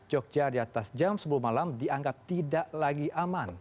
jogja di atas jam sepuluh malam dianggap tidak lagi aman